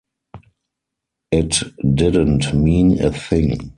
It didn't mean a thing.